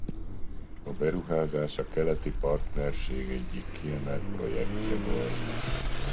A beruházás a Keleti Partnerség egyik kiemelt projektje volt.